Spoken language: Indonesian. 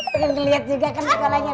pengen dilihat juga kan sekolahnya